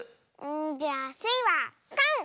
じゃあスイはかん！